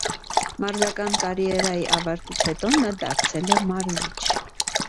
Մարզական կարիերայի ավարտից հետո նա դարձել է մարզիչ։